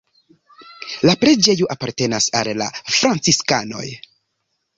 La preĝejo apartenas al la franciskanoj.